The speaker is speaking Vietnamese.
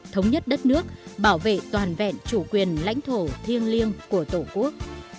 thống nhất đất nước bảo vệ toàn vẹn chủ quyền lãnh thổ thiêng liêng của tổ quốc